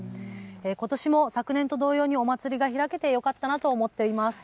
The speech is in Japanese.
ことしも昨年と同様にお祭りが開けてよかったなと思っています。